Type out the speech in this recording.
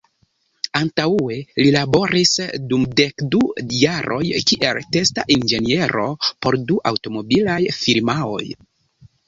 Antaŭe li laboris dum dek du jaroj kiel testa inĝeniero por du aŭtomobilaj firmaoj.